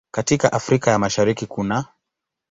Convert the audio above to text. Katika Afrika ya Mashariki kunaː